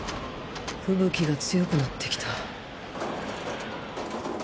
吹雪が強くなってきた。